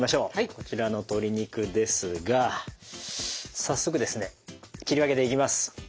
こちらの鶏肉ですが早速ですね切り分けていきます。